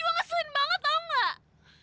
kamu juga ngeselin banget tau gak